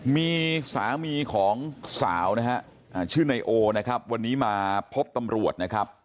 มีสามีของสาวนะฮะชื่อนายโอนะครับวันนี้มาพบตำรวจนะครับ